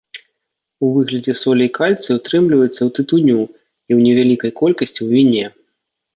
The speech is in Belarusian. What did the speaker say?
У выглядзе солей кальцыю утрымліваецца ў тытуню і ў невялікай колькасці ў віне.